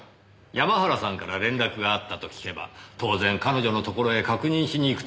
山原さんから連絡があったと聞けば当然彼女のところへ確認しに行くと思いましてね。